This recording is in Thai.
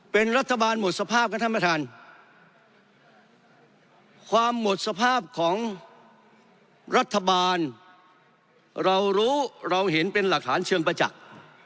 เป็นรัฐบาลหมดสภาพครับท่านประธานความหมดสภาพของรัฐบาลเรารู้เราเห็นเป็นหลักฐานเชิงประจักษ์